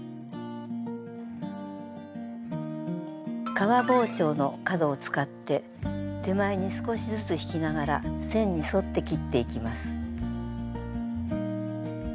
革包丁の角を使って手前に少しずつ引きながら線に沿って切っていきます。